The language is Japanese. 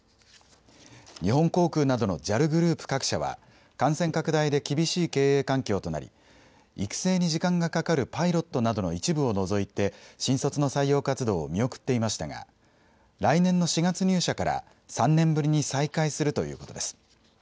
日本航空などのＪＡＬグループ各社は、感染拡大で厳しい経営環境となり、育成に時間がかかるパイロットなどの一部を除いて、新卒の採用活動を見送っていましたが、来年の４月入社から、３年ぶりに再開するということです。